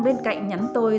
bên cạnh nhắn tôi